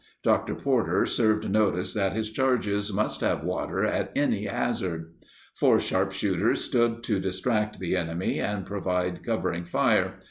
Dr. Porter served notice that his charges must have water at any hazard. Four sharpshooters stood to distract the enemy and provide covering fire.